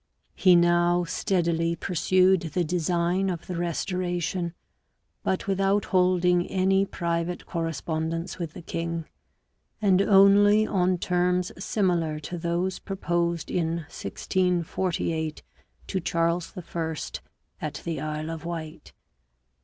He now steadily pursued the design of the Restoration, but with out holding any private correspondence with the king , and only on terms similar to those proposed in 1648 to Charles I. at the Isle of Wight.